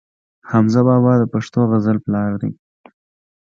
حمزه بابا د پښتو غزل پلار دی.